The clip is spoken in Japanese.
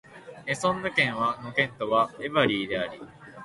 エソンヌ県の県都はエヴリーである